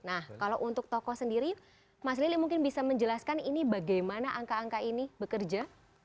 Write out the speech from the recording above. nah kalau untuk tokoh sendiri mas lili mungkin bisa menjelaskan ini bagaimana angka angka ini bekerja